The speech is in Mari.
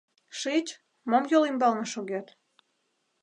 — Шич, мом йол ӱмбалне шогет.